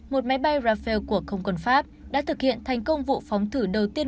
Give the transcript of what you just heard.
một máy bay rafale của không còn pháp đã thực hiện thành công vụ phóng thử đầu tiên